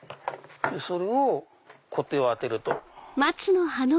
それをコテを当てると。